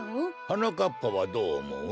はなかっぱはどうおもう？